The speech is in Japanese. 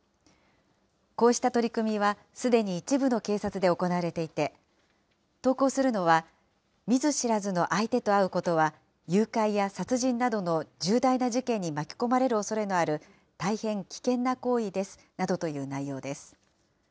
こうした取り組みはすでに一部の警察で行われていて、投稿するのは、見ず知らずの相手と会うことは誘拐や殺人などの重大な事件に巻き込まれるおそれのある大変危険な行為ですなどという内容です。